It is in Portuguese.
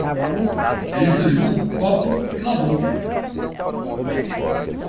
Ele serviu um copo e lavou.